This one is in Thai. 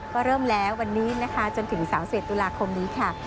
ก็เริ่มแล้ววันนี้นะคะจนถึงเสาร์เศรษฐุลาคมนี้ค่ะ